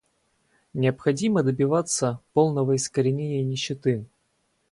Необходимо добиваться полного искоренения нищеты.